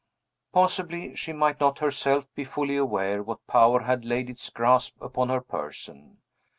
Possibly, she might not herself be fully aware what power had laid its grasp upon her person.